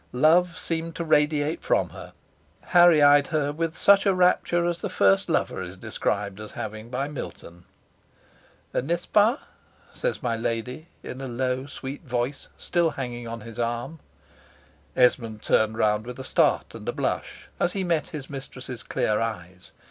Love seemed to radiate from her. Harry eyed her with such a rapture as the first lover is described as having by Milton. "N'est ce pas?" says my lady, in a low, sweet voice, still hanging on his arm. Esmond turned round with a start and a blush, as he met his mistress's clear eyes.